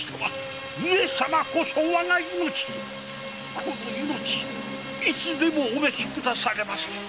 この命いつでもお召しくだされませ。